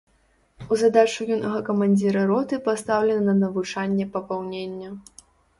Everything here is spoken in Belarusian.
У задачу юнага камандзіра роты пастаўлена навучанне папаўнення.